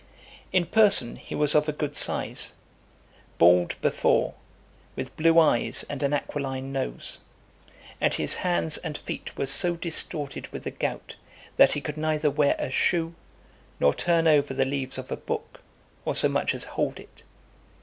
XXI. In person he was of a good size, bald before, with blue eyes, and an aquiline nose; and his hands and feet were so distorted with the gout, that he could neither wear a shoe, nor turn over the leaves of a book, or so much as hold it.